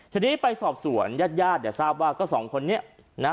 ทีนี้ไปสอบสวนญาติญาติเนี่ยทราบว่าก็สองคนนี้นะ